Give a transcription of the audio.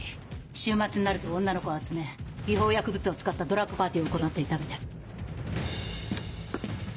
週末になると女の子を集め違法薬物を使ったドラッグパーティーを行っていたみたい。